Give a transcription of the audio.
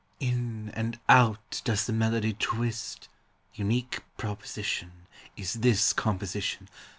In and out does the melody twist Unique proposition Is this composition.